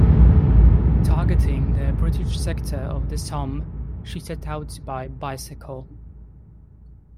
Targeting the British sector of the Somme, she set out by bicycle.